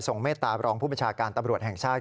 ทรงเมตรตารองผู้ประชาการตำรวจแห่งชาติ